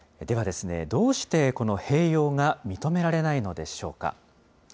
では、どうしてこの併用が認められないのでしょうか。